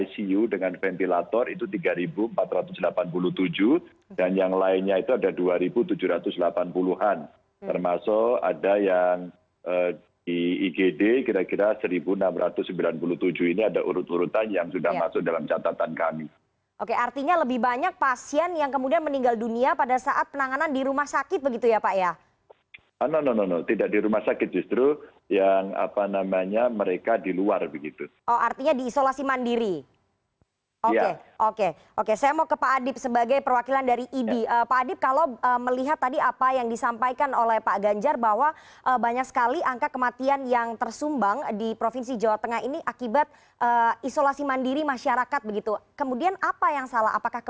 selamat sore mbak rifana